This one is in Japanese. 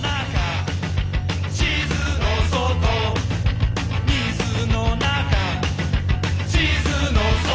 「地図の外」「水の中地図の外」